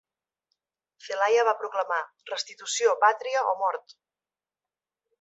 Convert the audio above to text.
Zelaya va proclamar "Restitució, pàtria o mort!".